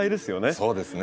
そうですね。